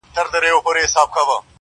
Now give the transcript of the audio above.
• د نازولي یار په یاد کي اوښکي غم نه دی.